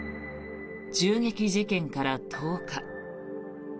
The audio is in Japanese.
銃撃事件から１０日。